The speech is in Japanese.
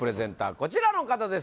こちらの方です